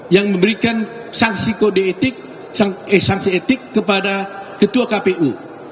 yang memberikan sanksi etik kepada ketua kpu